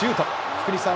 福西さん。